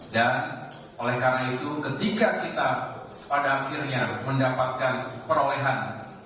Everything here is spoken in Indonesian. dan oleh karena itu ketika kita pada akhirnya mendapatkan perolehan